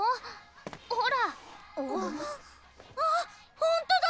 あっほんとだ！